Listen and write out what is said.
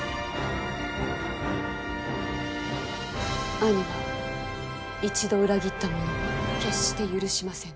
兄は一度裏切った者を決して許しませぬ。